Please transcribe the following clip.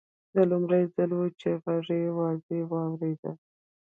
دا لومړی ځل و چې غږ یې واضح واورېد